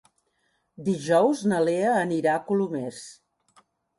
Dijous na Lea anirà a Colomers.